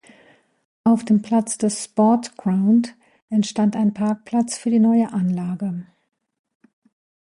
Auf dem Platz des "Sports Ground" entstand ein Parkplatz für die neue Anlage.